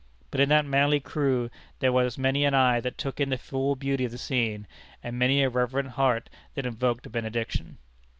But in that manly crew there was many an eye that took in the full beauty of the scene, and many a reverent heart that invoked a benediction.